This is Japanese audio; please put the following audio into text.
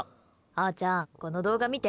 あーちゃん、この動画見て。